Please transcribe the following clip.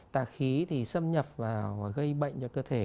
tà khí thì xâm nhập vào và gây bệnh cho cơ thể